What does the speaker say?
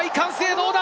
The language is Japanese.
どうだ？